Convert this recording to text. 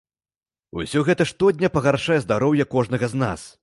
Усё гэта штодня пагаршае здароўе кожнага з нас.